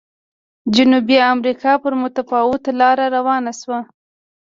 جنوبي امریکا پر متفاوته لار روانه شوه.